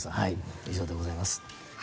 以上でございます。